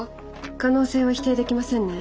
可能性は否定できませんね。